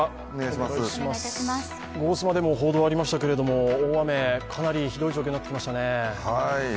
「ゴゴスマ」でも報道がありましたけれども、大雨、かなりひどい状況になってきましたね。